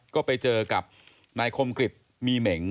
ก็ไปเจอกับนายคมกริจมีเหม็ง